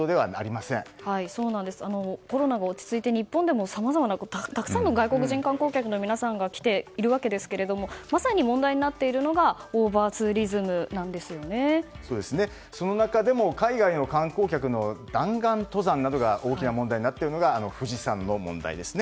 コロナが落ち着いて日本でもたくさんの外国人観光客の皆さんが来ているわけですがまさに問題になっているのがその中でも海外の観光客の弾丸登山などが大きな問題になっているのが富士山の問題ですね。